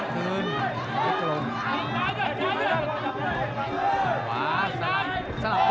สลับด้วยแข่งซ้าย